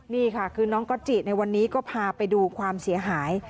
นี่ค่ะคือน้องก๊อตจิในวันนี้ก็พาไปดูความเสียหาย